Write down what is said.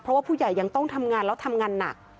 เพราะว่าผู้ใหญ่ยังต้องทำงานแล้วทำงานหนัก